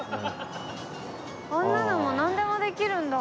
あんなのもなんでもできるんだ。